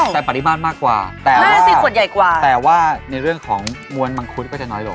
แต่ปริมาณมากกว่าแต่ว่าในเรื่องของมวลมังคุดก็จะน้อยลง